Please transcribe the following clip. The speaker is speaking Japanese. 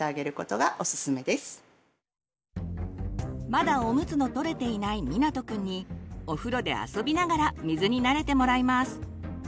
まだおむつのとれていないみなとくんにお風呂で遊びながら水に慣れてもらいます。